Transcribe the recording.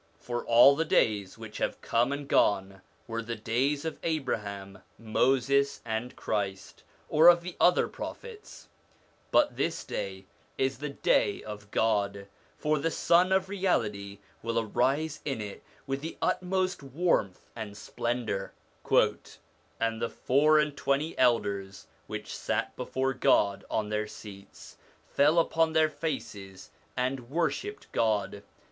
For all the days which have come and gone were the days of Abraham, Moses and Christ, or of the other Prophets ; but this day is the day of God, for the Sun of Reality will arise in it with the utmost warmth and splendour. 'And the four and twenty elders which sat before God on their seats, fell upon their faces and worshipped God.